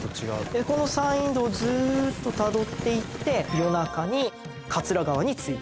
この山陰道をずーっとたどっていって夜中に桂川に着いたと。